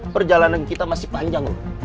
perjalanan kita masih panjang